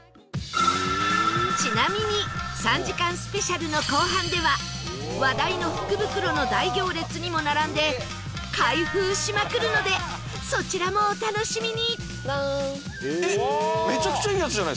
ちなみに３時間スペシャルの後半では話題の福袋の大行列にも並んで開封しまくるのでそちらもお楽しみに！